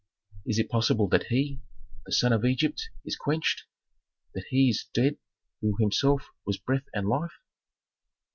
"Is it possible that he, the sun of Egypt, is quenched? That he is dead who himself was breath and life?"